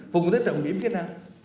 vùng dưới trọng điểm kỹ năng